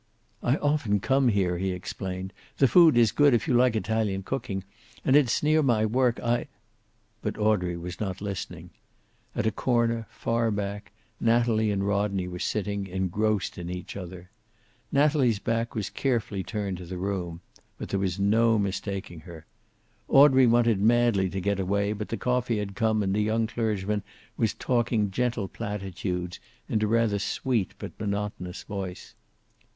"I often come here," he explained. "The food is good, if you like Italian cooking. And it is near my work. I " But Audrey was not listening. At a corner, far back, Natalie and Rodney were sitting, engrossed in each other. Natalie's back was carefully turned to the room, but there was no mistaking her. Audrey wanted madly to get away, but the coffee had come and the young clergyman was talking gentle platitudes in a rather sweet but monotonous voice.